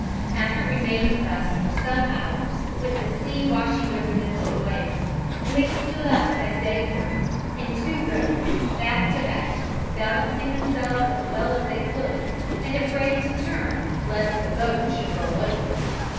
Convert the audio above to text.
After remaining thus for some hours, with the sea washing them to the waist, they stood up as day broke, in two rows, back to back, balancing themselves as well as they could, and afraid to turn lest the boat should roll over.